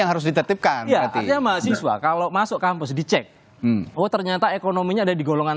artinya kalau masuk kampus dicek oh ternyata ekonominya ada di golongan satu